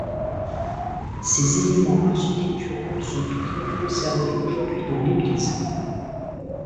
Ces éléments architecturaux sont toujours conservés aujourd'hui dans l'église.